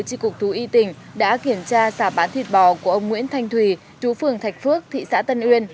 tri cục thú y tỉnh đã kiểm tra sả bán thịt bò của ông nguyễn thanh thùy chú phường thạch phước thị xã tân uyên